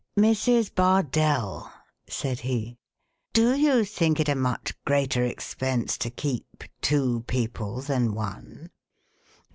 "Mrs. Bardell," said he, "do you think it a much greater expense to keep two people than one?"